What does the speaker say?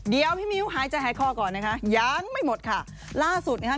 เดี๋ยวพี่มิ้วหายใจหายคอก่อนนะคะยังไม่หมดค่ะล่าสุดนะคะ